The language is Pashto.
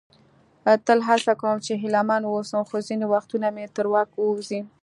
تل هڅه کوم چې هیله مند واوسم، خو ځینې وختونه مې تر واک ووزي.